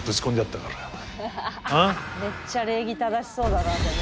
めっちゃ礼儀正しそうだなでも。